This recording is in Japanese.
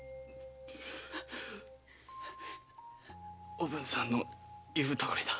おぶんさんの言うとおりだ。